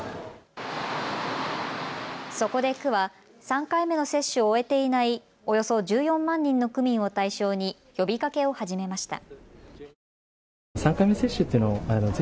そこで区は３回目の接種を終えていないおよそ１４万人の区民を対象に呼びかけを始めました。